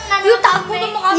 aku takut sama kambing